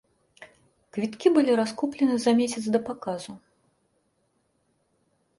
Квіткі былі раскуплены за месяц да паказу.